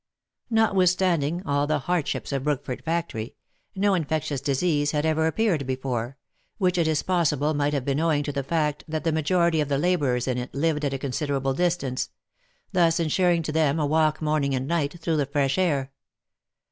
Notwithstanding all the hardships of Brookford factory, no infec tious disease had ever appeared there, which it is possible might have been owing to the fact that the majority of the labourers in it lived at a considerable distance, thus insuring to them a walk morning and night, through the fresh air.